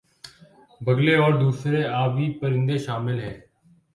بگلے اور دوسرے آبی پرندے شامل ہیں